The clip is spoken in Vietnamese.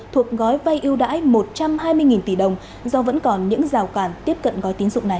thuộc gói vay ưu đãi một trăm hai mươi tỷ đồng do vẫn còn những rào cản tiếp cận gói tín dụng này